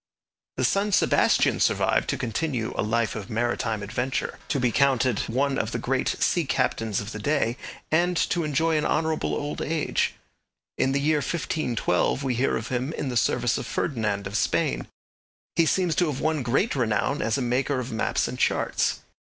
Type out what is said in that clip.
The son Sebastian survived to continue a life of maritime adventure, to be counted one of the great sea captains of the day, and to enjoy an honourable old age. In the year 1512 we hear of him in the service of Ferdinand of Spain. He seems to have won great renown as a maker of maps and charts.